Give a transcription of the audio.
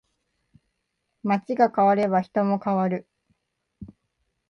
街が変われば人も変わる